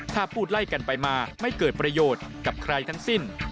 ถ้าพูดไล่กันไปมาไม่เกิดประโยชน์กับใครทั้งสิ้น